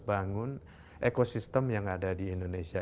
bangun ekosistem yang ada di indonesia